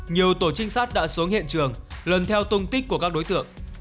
nhiều tổ trinh sát đã xuống hiện trường lần theo tung tích của các đối tượng